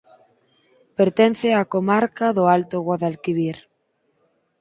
Pertence á Comarca do Alto Guadalquivir.